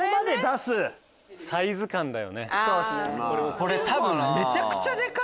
これ多分。